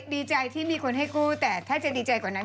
ดีใจที่มีคนให้คู่แต่ถ้าจะดีใจกว่านั้น